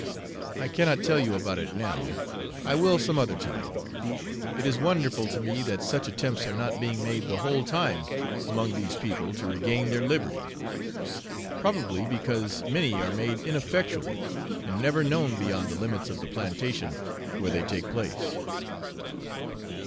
I cannot tell you about it now; I will some other time. It is wonderful to me that such attempts are not being made the whole time among these people to regain their liberty; probably because many are made ineffectually, and never known beyond the limits of the plantation where they take place.